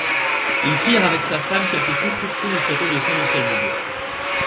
Ils firent avec sa femme quelques constructions au château de Saint-Michel-du-Bois.